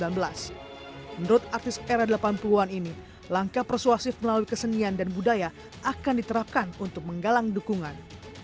menurut artis era delapan puluh an ini langkah persuasif melalui kesenian dan budaya akan diterapkan untuk menggalang dukungan